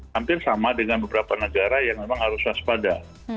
hampir sama dengan beberapa negara yang memang harus waspada